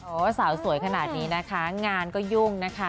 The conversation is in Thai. โอ้โหสาวสวยขนาดนี้นะคะงานก็ยุ่งนะคะ